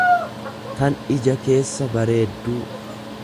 tan ija keessa bareedduu.